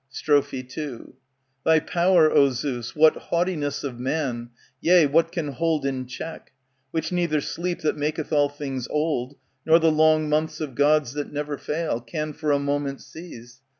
Strophe II Thy power, O Zeus, what haughtiness of man, Yea, what can hold in check ? Which neither sleep, that maketh all things old, Nor the long months of Gods that never fail, Can for a moment seize.